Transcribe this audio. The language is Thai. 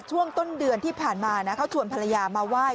ช่วงต้นเดือนที่ผ่านมานะเขาชวนภรรยามาไหว้